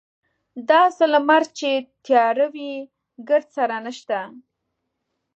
داسې لمر چې تیاره وي ګردسره نشته.